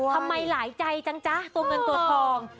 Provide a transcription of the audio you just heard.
หลายใจจังจ๊ะตัวเงินตัวทอง